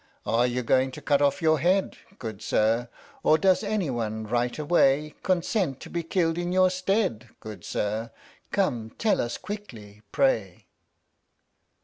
Are you going to cut off your head, good sir, Or does anyone, right away, Consent to be killed in your stead, good sir? Come tell us quickly, pray.